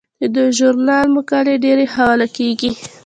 د دې ژورنال مقالې ډیرې حواله کیږي.